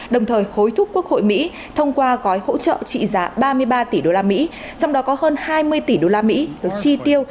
đồng thời hối thúc quốc hội mỹ thông qua gói hỗ trợ trị giá ba mươi ba tỷ đô la mỹ trong đó có hơn hai mươi tỷ đô la mỹ được tri tiêu